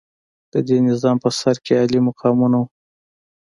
د دې نظام په سر کې عالي مقامونه وو.